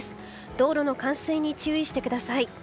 道路の冠水に注意してください。